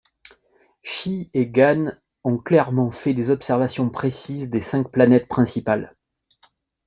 Shi et Gan ont clairement fait des observations précises des cinq planètes principales.